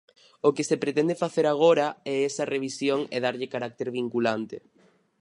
O que se pretende facer agora é esa revisión e darlle carácter vinculante.